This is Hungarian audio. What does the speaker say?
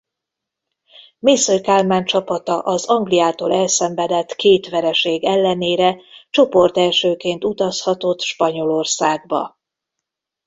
Mészöly Kálmán csapata az Angliától elszenvedett két vereség ellenére csoportelsőként utazhatott Spanyolországba.